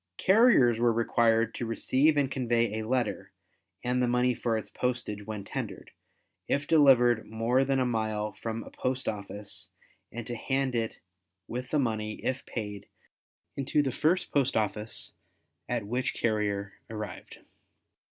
Carriers were required to receive and convey a letter (and the money for its postage when tendered) if delivered more than a mile from a post office and to hand it with the money, if paid, into the first post office at which carrier arrived.